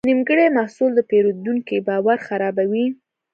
نیمګړی محصول د پیرودونکي باور خرابوي.